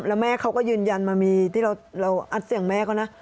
แล้วแม่เขาก็ยืนยันมามีที่เราอัดเสียงแม่เขานะ